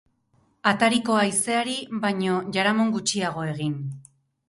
Atariko haizeari baino jaramon gutxiago egin.